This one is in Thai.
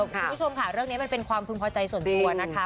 คุณผู้ชมค่ะเรื่องนี้มันเป็นความพึงพอใจส่วนตัวนะคะ